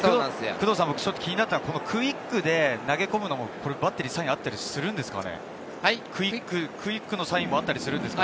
工藤さん、ちょっと気になったんですけどクイックで投げ込むのもバッテリーのサインはあったりするんですか。